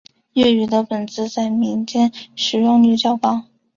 粤语的本字在民间的使用率较高。